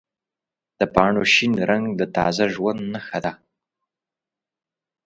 د پاڼو شین رنګ د تازه ژوند نښه ده.